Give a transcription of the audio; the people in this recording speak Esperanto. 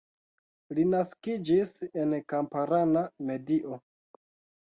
Li naskiĝis en kamparana medio.